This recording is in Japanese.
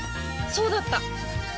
そうだった！